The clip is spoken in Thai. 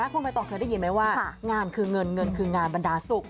คุณใบตองเคยได้ยินไหมว่างานคือเงินเงินคืองานบรรดาสุข